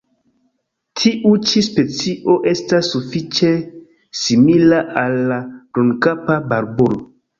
Tiu ĉi specio estas sufiĉe simila al la Brunkapa barbulo.